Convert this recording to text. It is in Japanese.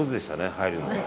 入るのが。